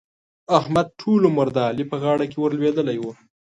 احمد؛ ټول عمر د علي په غاړه کې ور لوېدلی وو.